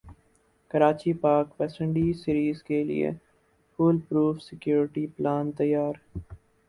Karachi Pak West Indies series کیلئے foolproof security plan تیار